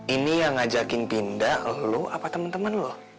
ini yang ngajakin pindah lo apa temen temen lo